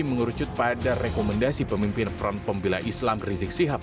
mengurucut pada rekomendasi pemimpin front pembila islam rizik sihab